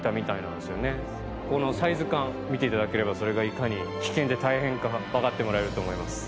このサイズ感見ていただければそれがいかに危険で大変かが分かってもらえると思います。